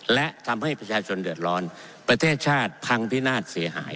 และทำให้ประชาชนเดือดร้อนประเทศชาติพังพินาศเสียหาย